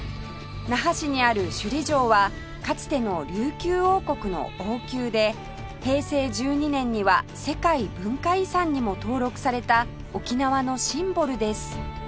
那覇市にある首里城はかつての琉球王国の王宮で平成１２年には世界文化遺産にも登録された沖縄のシンボルです